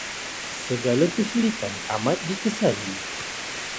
Segala kesulitan amat dikesali.